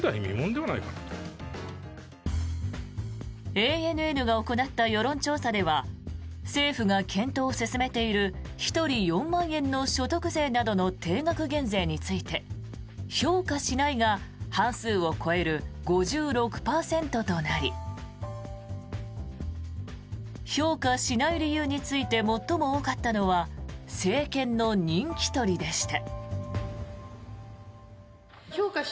ＡＮＮが行った世論調査では政府が検討を進めている１人４万円の所得税などの定額減税について評価しないが半数を超える５６％となり評価しない理由について最も多かったのは政権の人気取りでした。